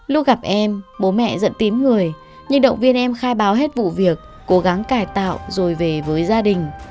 lúc gặp em bố mẹ dẫn người nhưng động viên em khai báo hết vụ việc cố gắng cải tạo rồi về với gia đình